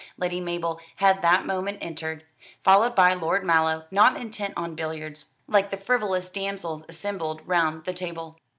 Lady Mabel had that moment entered, followed by Lord Mallow, not intent on billiards, like the frivolous damsels assembled round the table.